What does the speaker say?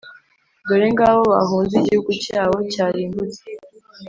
Dore ngabo bahunze igihugu cyabo cyarimbutse,